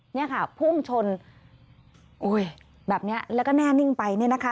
เนี่ยค่ะพุ่งชนโอ้ยแบบนี้แล้วก็แน่นิ่งไปเนี่ยนะคะ